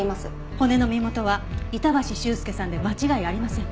骨の身元は板橋秀介さんで間違いありません。